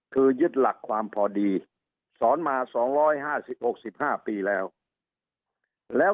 คือยึดหลักความพอดีสอนมาสองร้อยห้าสิบหกสิบห้าปีแล้ว